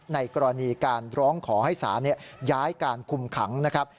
ในกรณีการร้องขอให้ศาลย้ายการคุมขังนะครับ